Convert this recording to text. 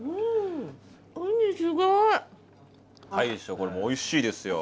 大将これおいしいですよ。